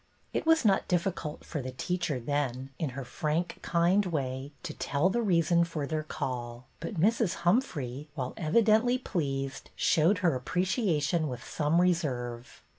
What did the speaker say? It was not difficult for the teacher then, in her frank, kind way, to tell the reason for their call; but Mrs. Humphrey, while evidently pleased, showed her appreciation with some reserve.